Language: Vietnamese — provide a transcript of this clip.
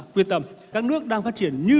quyết tâm các nước đang phát triển như